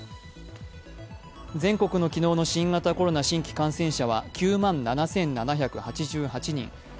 全国の昨日の新型コロナ新規感染者は９万７７８８人。